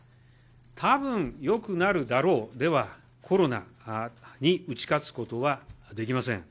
たぶんよくなるだろうでは、コロナに打ち勝つことはできません。